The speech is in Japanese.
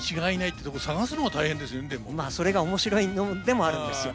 まあそれが面白いのでもあるんですよ。